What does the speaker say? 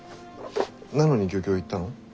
なのに漁協行ったの？